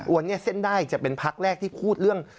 วันนี้เส้นได้จะเป็นพักแรกที่พูดเรื่อง